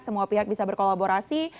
semua pihak bisa berkolaborasi